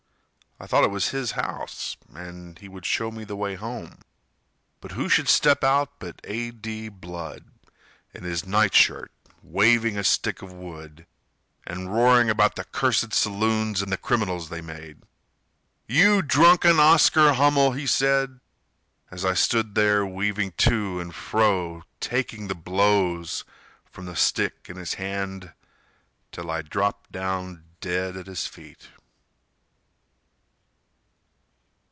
(I thought it was his house and he would show me the way home. ) But who should step out but A. D. Blood, In his night shirt, waving a stick of wood, And roaring about the cursed saloons, And the criminals they made? "You drunken Oscar Hummel," he said, As I stood there weaving to and fro, Taking the blows from the stick in his hand Till I dropped down dead at his feet.